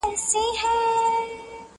مېرمني ئې څرخه ورته نيولې وه